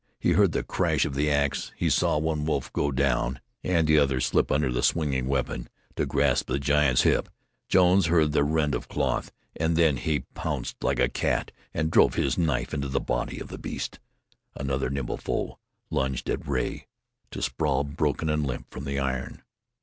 He heard the crash of the ax; he saw one wolf go down and the other slip under the swinging weapon to grasp the giant's hip. Jones's heard the rend of cloth, and then he pounced like a cat, to drive his knife into the body of the beast. Another nimble foe lunged at Rea, to sprawl broken and limp from the iron.